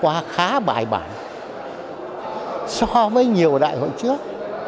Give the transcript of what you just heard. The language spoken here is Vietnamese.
qua khá bài bản so với nhiều đại hội trước